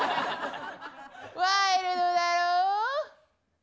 ワイルドだろぉ。